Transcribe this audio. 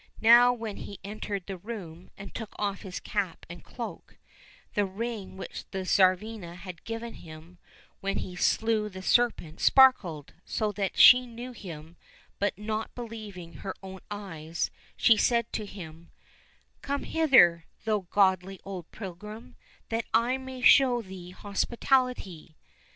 Now when he entered the room and took off his cap and cloak, the ring which the Tsarivna had given him when he slew the serpent sparkled so that she knew him, but, not believing her own eyes, she said to him, '' Come hither, thou godly old pilgrim, that I may show thee hospitality